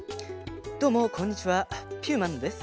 「どうもこんにちはピューマンです」。